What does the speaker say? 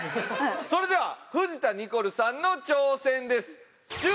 それでは藤田ニコルさんの挑戦です。